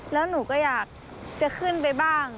แล้วหนูก็อยากจะขึ้นไปบ้าง